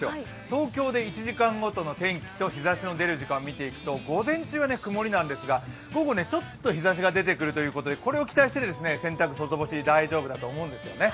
東京で１時間後との日ざしの出る時間を見てみると午前中は曇りなんですが午後、ちょっと日ざしが出てくるということで、これを期待して洗濯、外干し大丈夫だと思うんですよね。